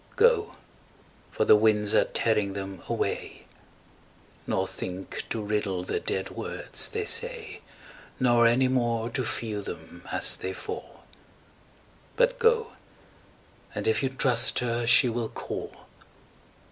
Go, for the winds are tearing them away, Nor think to riddle the dead words they say, Nor any more to feel them as they fall; But go! and if you trust her she will call.